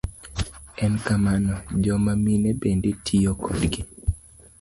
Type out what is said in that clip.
En kamano, joma mine bende tiyo kodgi.